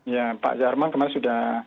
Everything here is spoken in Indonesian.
ya pak jarman kemarin sudah